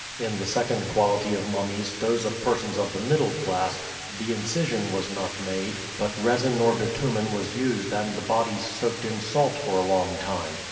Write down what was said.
In the second quality of mummies, those of persons of the middle class, the incision was not made, but resin or bitumen was used and the bodies soaked in salt for a long time.